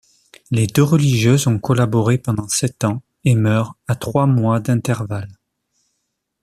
Les deux religieuses ont collaboré pendant sept ans et meurent à trois mois d'intervalle.